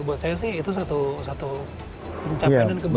itu buat saya sih itu satu pencapaian dan kebanggaan